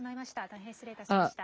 大変失礼いたしました。